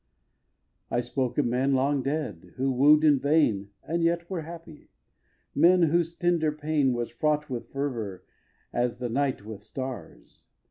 xii. I spoke of men, long dead, who wooed in vain And yet were happy, men whose tender pain Was fraught with fervor, as the night with stars.